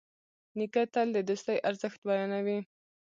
نیکه تل د دوستي ارزښت بیانوي.